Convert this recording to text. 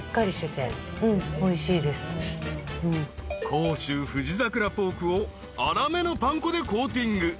［甲州富士桜ポークを粗めのパン粉でコーティング］